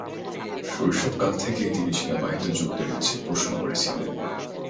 শৈশবকাল থেকেই তিনি সেনাবাহিনীতে যোগ দেয়ার ইচ্ছে পোষণ করেছিলেন।